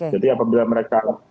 jadi apabila mereka